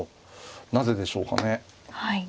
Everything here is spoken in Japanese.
なぜでしょうかね。